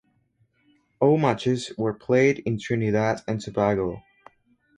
All matches were played in Trinidad and Tobago.